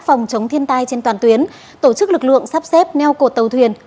phòng chống thiên tai trên toàn tuyến tổ chức lực lượng sắp xếp neo cột tàu thuyền